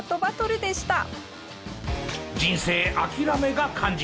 人生諦めが肝心。